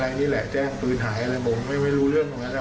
นี่แหละแจ้งปืนหายอะไรผมไม่รู้เรื่องตรงนั้น